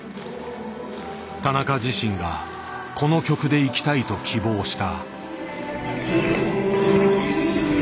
田中自身がこの曲でいきたいと希望した。